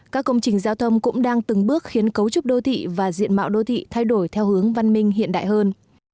các công trình giao thông cũng đang từng bước khiến cấu trúc đô thị và diện mạo đô thị thay đổi theo hướng văn minh hiện đại hơn